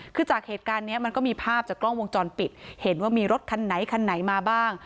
คือจากเหตุการณ์นี้มันก็มีภาพจากกล้องวงจรปิดเห็นว่ามีรถคันไหนคันไหนมาบ้าง